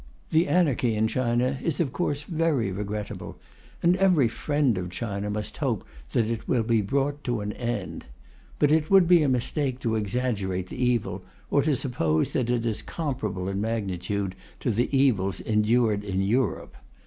The anarchy in China is, of course, very regrettable, and every friend of China must hope that it will be brought to an end. But it would be a mistake to exaggerate the evil, or to suppose that it is comparable in magnitude to the evils endured in Europe.